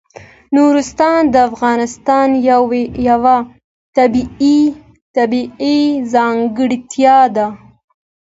نورستان د افغانستان یوه طبیعي ځانګړتیا ده.